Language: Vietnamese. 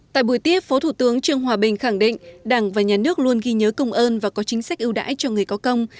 tại buổi tiếp phó thủ tướng trương hòa bình khẳng định đảng và nhà nước luôn ghi nhớ công ơn và có chính sách ưu đãi cho người có công